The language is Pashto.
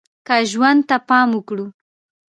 که ژوند ته پام وکړو